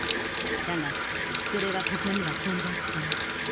だがそれはここには存在しない。